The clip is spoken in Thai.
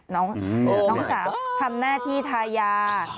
น้องสาวทำหน้าที่ทายา